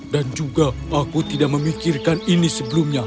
dan juga aku tidak memikirkan ini sebelumnya